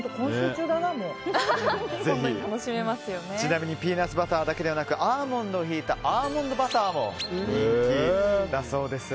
ちなみにピーナッツバターだけでなくアーモンドをひいたアーモンドバターも人気だそうです。